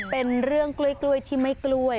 เป็นเรื่องกล้วยที่ไม่กล้วย